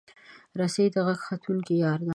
رسۍ د غر ختونکو یار ده.